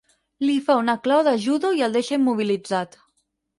Li fa una clau de judo i el deixa immobilitzat.